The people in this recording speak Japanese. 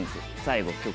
最後。